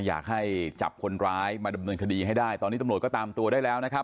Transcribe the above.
อยากให้จับคนร้ายมาดำเนินคดีให้ได้ตอนนี้ตำรวจก็ตามตัวได้แล้วนะครับ